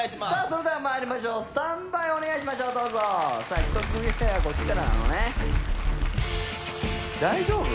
それではまいりましょうスタンバイお願いしましょうどうぞさあ１組目はこっちからなのね大丈夫？